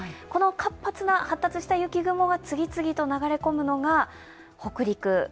この活発した雪雲が次々と流れ込むのが北陸。